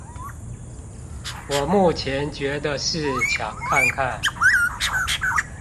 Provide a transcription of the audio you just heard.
我目前覺得是搶看看